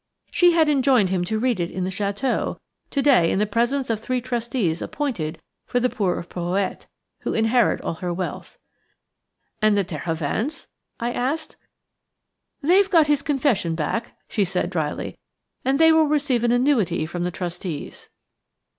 "She had enjoined him to read it in the château to day in the presence of the three trustees appointed for the poor of Porhoët, who inherit all her wealth." "And the Terhovens?" I asked. "They've got his confession back," she said dryly, "and they will receive an annuity from the trustees."